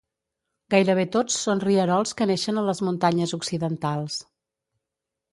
Gairebé tots són rierols que neixen a les muntanyes occidentals.